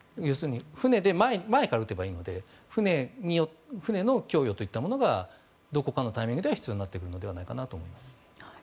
船で前から撃てばいいので船の供与といったものがどこかのタイミングでは必要になってくるのではないかなと思います。